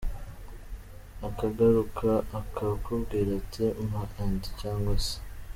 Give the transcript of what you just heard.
Akagaruka akakubwira ati mpa and cyangwa se ….